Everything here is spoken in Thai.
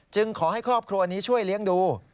ขอให้ครอบครัวนี้ช่วยเลี้ยงดู